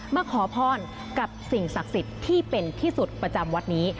มาขอพรกับสิ่งศักดิ์สิทธิ์ที่เป็นที่สุดประจำวัดนี้